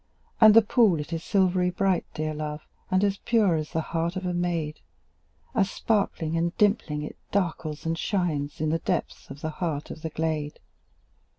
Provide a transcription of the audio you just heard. And the pool, it is silvery bright, dear love, And as pure as the heart of a maid, As sparkling and dimpling, it darkles and shines In the depths of the heart of the glade.